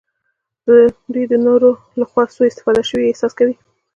دوی د نورو لخوا سوء استفاده شوي احساس کوي.